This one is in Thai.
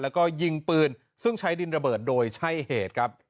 แล้วก็ยิงปืนซึ่งใช้ดินระเบิดโดยใช่เหตุครับ